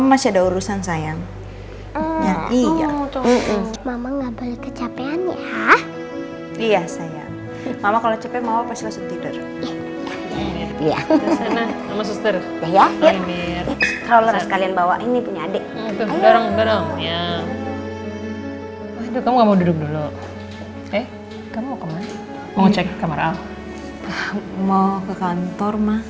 assalamualaikum warahmatullahi wabarakatuh